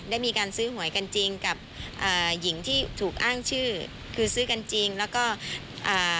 ได้มีการซื้อหวยกันจริงกับอ่าหญิงที่ถูกอ้างชื่อคือซื้อกันจริงแล้วก็อ่า